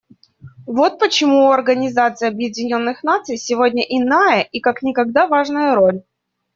Вот почему у Организации Объединенных Наций сегодня иная и как никогда важная роль.